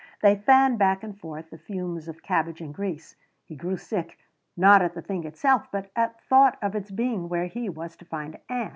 They fanned back and forth the fumes of cabbage and grease. He grew sick, not at the thing itself, but at thought of its being where he was to find Ann.